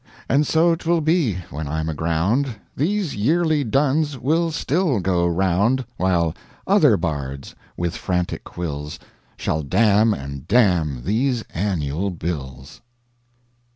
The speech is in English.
And so 'twill be when I'm aground These yearly duns will still go round, While other bards, with frantic quills, Shall damn and damn these annual bills!